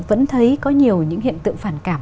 vẫn thấy có nhiều những hiện tượng phản cảm